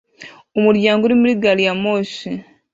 Umuryango uri muri gari ya moshi